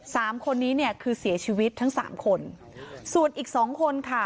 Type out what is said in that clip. สามคนนี้เนี่ยคือเสียชีวิตทั้งสามคนส่วนอีกสองคนค่ะ